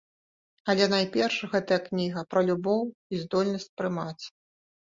Але найперш гэтая кніга пра любоў і здольнасць прымаць.